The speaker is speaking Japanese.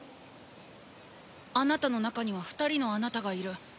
あなたの中には２人のあなたがいる。